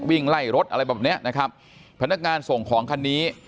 วิ่งไล่รถอะไรแบบเนี้ยนะครับพนักงานส่งของคันนี้